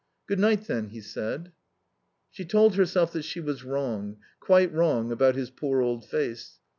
"Good night, then," he said. She told herself that she was wrong, quite wrong about his poor old face.